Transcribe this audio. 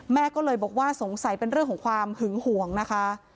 แม่ก็เลยบอกว่าสงสัยเป็นเรื่องของความหึงห่วงนะคะ